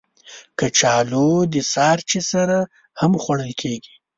کچالو د سهار چای سره هم خوړل کېږي